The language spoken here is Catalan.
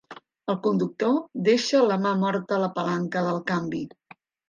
El conductor deixa la mà morta a la palanca del canvi.